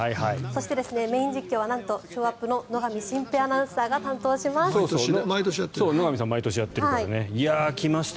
そしてメイン実況はショーアップの野上慎平アナウンサーが毎年やっている。